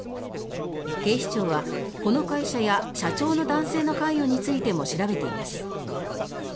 警視庁はこの会社や社長の男性の関与についても調べています。